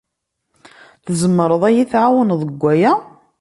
Tzemred ad iyi-tɛawned deg waya?